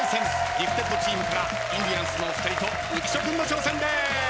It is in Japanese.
ギフテッドチームからインディアンスのお二人と浮所君の挑戦です！